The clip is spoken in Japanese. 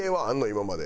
今まで。